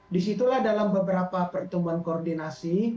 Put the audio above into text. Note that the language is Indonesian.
disitulah dalam beberapa pertemuan koordinasi